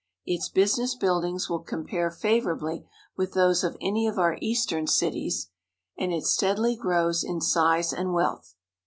Its business buildings will compare favorably with those of any of our eastern cities, and it steadily grows in size and wealth.